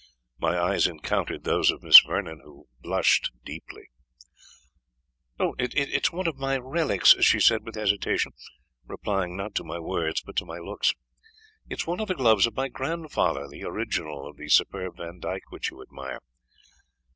My eyes encountered those of Miss Vernon, who blushed deeply. "It is one of my relics," she said with hesitation, replying not to my words but to my looks; "it is one of the gloves of my grandfather, the original of the superb Vandyke which you admire."